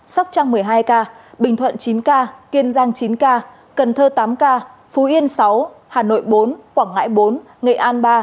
sóc trăng một mươi hai ca bình thuận chín ca kiên giang chín ca cần thơ tám ca phú yên sáu hà nội bốn quảng ngãi bốn nghệ an ba